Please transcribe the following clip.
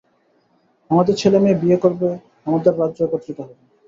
আমাদের ছেলেমেয়ে বিয়ে করবে, আমাদের রাজ্য একত্রিত হবে।